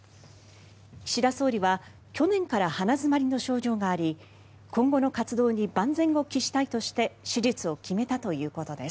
岸田総理は去年から鼻詰まりの症状があり今後の活動に万全を期したいとして手術を決めたということです。